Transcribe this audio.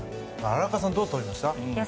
荒川さんどう取りました？